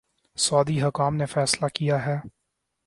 سعودی حکام نے فیصلہ کیا ہے